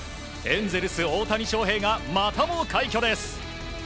エンゼルス、大谷翔平がまたも快挙です。